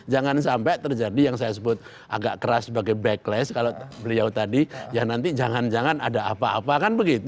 jangan sampai terjadi yang saya sebut agak keras sebagai backlash kalau beliau tadi ya nanti jangan jangan ada apa apa kan begitu